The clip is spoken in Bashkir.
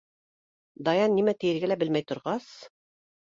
Даян нимә тиергә лә белмәй торғас: